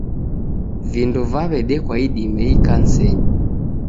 Vindo vaw'edekwa idime ikanisenyi